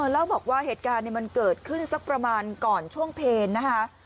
เล่าบอกว่าเหตุการณ์มันเกิดขึ้นสักประมาณก่อนช่วงเพลนะคะ